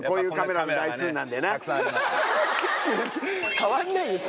変わんないです。